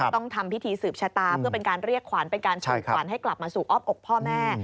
ต้องทำพิธีสืบชะตาเพื่อเป็นการเรียกขวัญเป็นการส่งขวัญให้กลับมาสู่อ้อมอกพ่อแม่